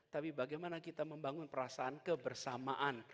tapi bagaimana kita membangun perasaan kebersamaan